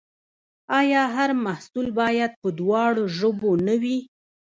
آیا هر محصول باید په دواړو ژبو نه وي؟